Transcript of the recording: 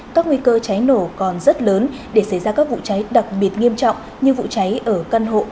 các nguy cơ cháy nổ còn rất lớn để xảy ra các vụ cháy đặc biệt nghiêm trọng như vụ cháy ở căn hộ